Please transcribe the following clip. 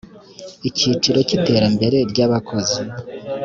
Icyiciro cya iterambere ry abakozi